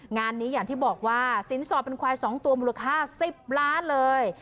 งานนี้อย่างที่บอกว่าสินสอดเป็นควาย๒ตัวมูลค่า๑๐ล้านเลย